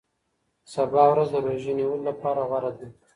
سبا ورځ د روژې نیولو لپاره غوره ده.